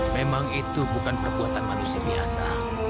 memang itu bukan perbuatan manusia biasa